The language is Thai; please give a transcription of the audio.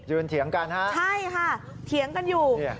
เถียงกันฮะใช่ค่ะเถียงกันอยู่